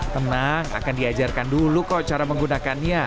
tenang akan diajarkan dulu kok cara menggunakannya